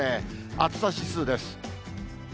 暑さ指数です。